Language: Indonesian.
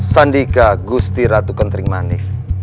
sandika gusti ratu kentrimani